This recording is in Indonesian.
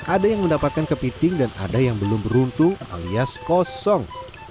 ada yang mendapatkan kepiting dan ada yang belum beruntung alias kosong